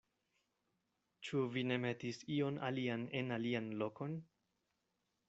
Ĉu vi ne metis ion alian en alian lokon?